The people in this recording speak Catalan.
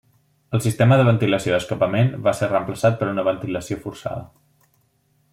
El sistema de ventilació d'escapament va ser reemplaçat per una ventilació forçada.